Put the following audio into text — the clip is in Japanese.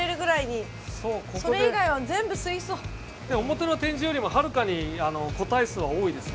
表の展示よりもはるかに個体数は多いですよ。